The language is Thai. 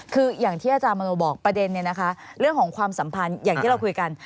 คืออย่างที่อาจารย์มโนบอกประเด็นเนี่ยนะคะเรื่องของความสัมพันธ์อย่างที่เราคุยกัน